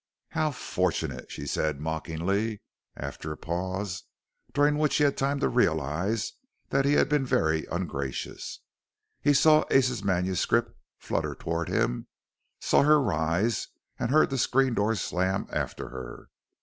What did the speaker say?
"How fortunate!" she said mockingly, after a pause during which he had time to realize that he had been very ungracious. He saw Ace's manuscript flutter toward him, saw her rise and heard the screen door slam after her.